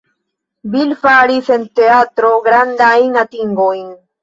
Bill faris en teatro grandajn atingojn.